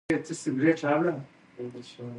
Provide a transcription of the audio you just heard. موږ به تر هغه وخته پورې د پوهنې کیفیت لوړوو.